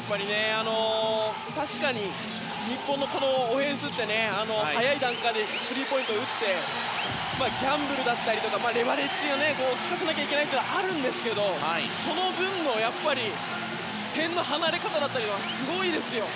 確かに日本のオフェンスって早い段階でスリーポイントを打ってギャンブルだったりとか言われてレバレッジを効かせなければいけないのはあるんですけどその分の点の離れ方だったりはすごいですよ。